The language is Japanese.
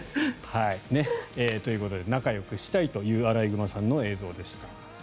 ということで仲よくしたいというアライグマさんの映像でした。